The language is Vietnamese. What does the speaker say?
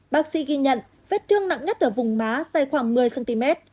bác sĩ ghi nhận vết thương nặng nhất ở vùng má dày khoảng một mươi cm